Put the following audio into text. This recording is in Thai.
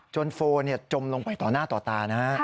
จนโฟล์จมลงไปต่อหน้าต่อตานะ